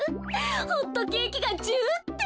ホットケーキがジュって。